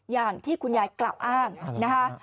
อย่างที่คุณยายกล่าวอ้างนะคะ